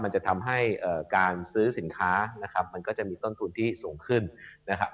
มันจะทำให้การซื้อสินค้านะครับมันก็จะมีต้นทุนที่สูงขึ้นนะครับ